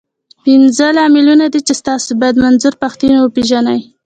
پنځه لاملونه دي، چې تاسو بايد منظور پښتين وپېژنئ.